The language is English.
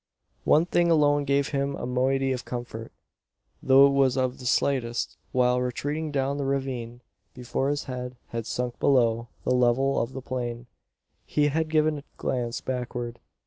One thing alone gave him a moiety of comfort; though it was of the slightest. While retreating down the ravine, before his head had sunk below the level of the plain, he had given a glance backward.